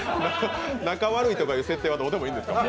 仲悪いとかいう設定はどうでもいいんですか？